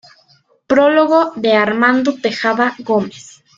Prólogo de Armando Tejada Gómez.